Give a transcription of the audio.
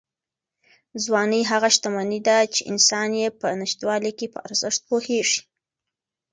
ځواني هغه شتمني ده چې انسان یې په نشتوالي کې په ارزښت پوهېږي.